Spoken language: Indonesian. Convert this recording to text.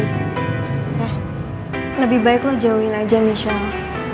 ya lebih baik lo jauhin aja michelle